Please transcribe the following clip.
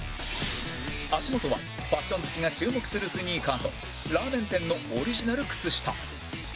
足元はファッション好きが注目するスニーカーとラーメン店のオリジナル靴下